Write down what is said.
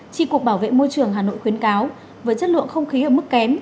tri cục bảo vệ môi trường hà nội khuyến cáo với chất lượng không khí ở mức kém